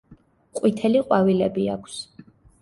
ყვითელი ყვავილები აქვს.